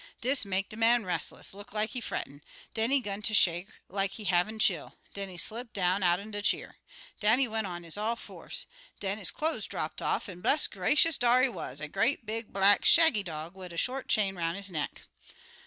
Dis make de man restless; look like he frettin'. Den he 'gun ter shake like he havin' chill. Den he slip down out'n de cheer. Down he went on his all fours. Den his cloze drapped off, an' bless gracious! dar he wuz, a great big black shaggy dog wid a short chain roun' his neck.